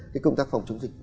cái công tác phòng chống dịch